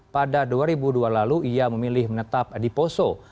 pada dua ribu dua lalu ia memilih menetap di poso